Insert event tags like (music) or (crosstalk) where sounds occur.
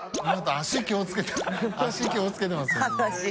足気を付けてますよ (laughs)